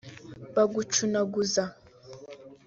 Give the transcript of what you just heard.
bagucunaguza